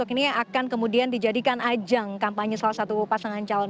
ini akan kemudian dijadikan ajang kampanye salah satu pasangan calon